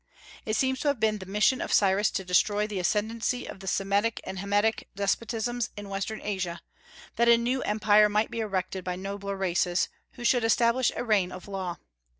It seems to have been the mission of Cyrus to destroy the ascendency of the Semitic and Hamitic despotisms in western Asia, that a new empire might be erected by nobler races, who should establish a reign of law.